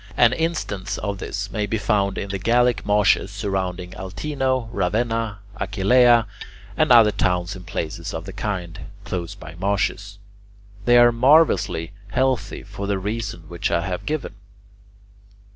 An instance of this may be found in the Gallic marshes surrounding Altino, Ravenna, Aquileia, and other towns in places of the kind, close by marshes. They are marvellously healthy, for the reasons which I have given.